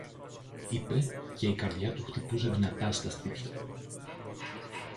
είπε και η καρδιά του χτυπούσε δυνατά στα στήθια του.